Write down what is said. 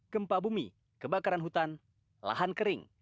gempa bumi kebakaran hutan lahan kering